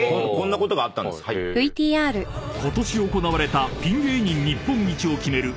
［ことし行われたピン芸人日本一を決める］